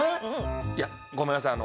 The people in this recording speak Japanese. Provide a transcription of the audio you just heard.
いやごめんなさい